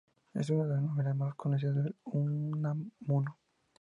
Es una de las novelas más conocidas de Unamuno.